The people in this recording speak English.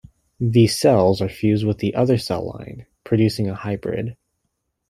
These cells are fused with the other cell line, producing a hybrid.